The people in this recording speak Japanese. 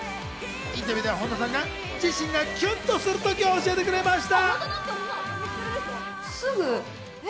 インタビューでは本田さんが自身がキュンとする時を教えてくれました。